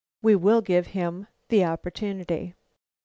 We will give him the opportunity."